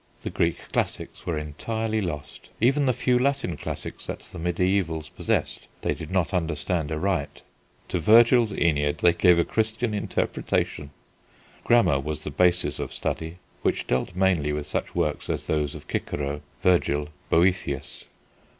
The Greek classics were entirely lost. Even the few Latin classics that the mediævals possessed, they did not understand aright. To Virgil's Æneid they gave a Christian interpretation! Grammar was the basis of study, which dealt mainly with such works as those of Cicero, Virgil, Boethius.